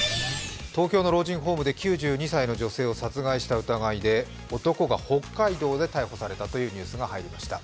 東京の老人ホームで９２歳の女性を殺害した疑いで男が北海道で逮捕されたというニュースが入りました。